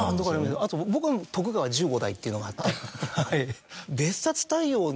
あと僕は『徳川十五代』っていうのがあって。